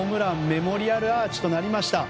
メモリアルアーチとなりました。